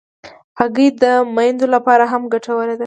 هګۍ د میندو لپاره هم ګټوره ده.